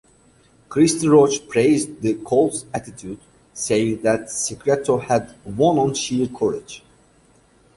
Christy Roche praised the colt's attitude, saying that Secreto had won on sheer courage.